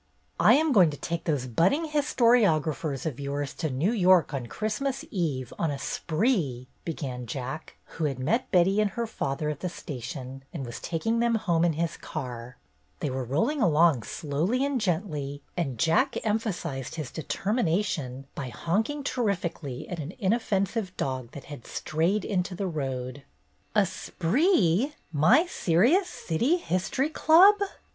"I am going to take those budding histori ographers of yours to New York on Christmas Eve on a spree/' began Jack, who had met Betty and her father at the station and was taking them home in his car. They were rolling along slowly and gently, and Jack emphasized his determination by honking terrifically at an inoffensive dog that had strayed into the road. "A spree ! My serious City History Club